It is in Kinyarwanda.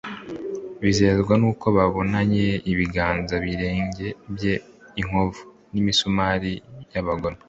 Bizezwa nuko babonanye ibiganza n'ibirenge bye inkovu z'imisumari y'abagome;